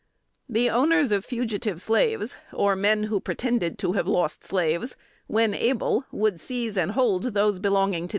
The owners of fugitive slaves, or men who pretended to have lost slaves, when able, would seize and hold those belonging to the Indians.